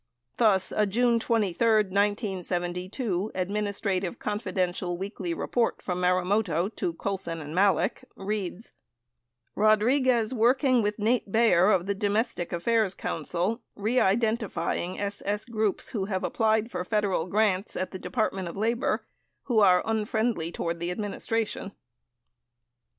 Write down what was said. Thus, a June 23, 1972, "Administrative — Confidential" weekly report from Marumoto to Colson and Malek reads : Rodriguez working with Nate Bayer of the Domestic Af fairs Council reidentifying SS groups who have applied for federal grants at DOL [Department of Labor] who are un friendly toward the Administration.